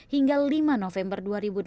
hingga lima november dua ribu delapan belas